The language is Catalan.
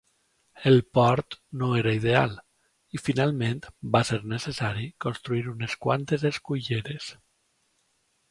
El port no era ideal, i finalment va ser necessari construir unes quantes esculleres.